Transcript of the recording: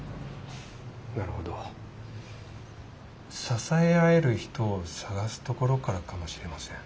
支え合える人を探すところからかもしれません。